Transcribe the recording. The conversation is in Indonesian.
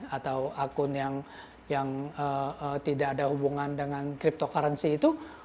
atau akun yang tidak ada hubungan dengan cryptocurrency itu